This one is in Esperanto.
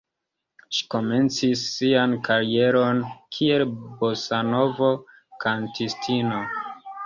Ŝi komencis sian karieron kiel bosanovo-kantistino.